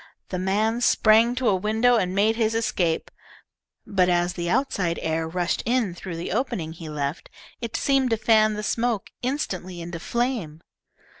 The man sprang to a window and made his escape, but as the outside air rushed in through the opening he left, it seemed to fan the smoke instantly into flame.